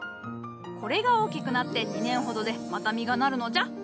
これが大きくなって２年ほどでまた実がなるのじゃ。